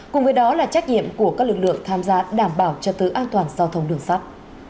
cùng với đó là trách nhiệm của các lực lượng tham gia đảm bảo cho tứ an toàn giao thông đường sắt